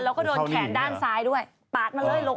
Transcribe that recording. แล้วก็โดนแขนด้านซ้ายด้วยปาดมาเลยหลบ